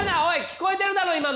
おい聞こえてるだろ